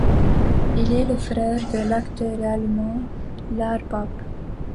Il est le frère de l'acteur allemand Lars Pape.